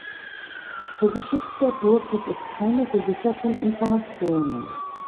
Zur Geschichte der Burg gibt es keine gesicherten Informationen.